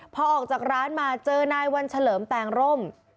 พอออกจากร้านมาเจอนายวันเฉลิมแปลงร่ม